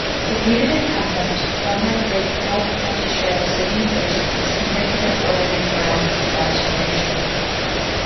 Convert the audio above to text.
Defeated incumbent, former DeKalb County Sheriff Sidney Dorsey, was convicted of ordering Brown's assassination.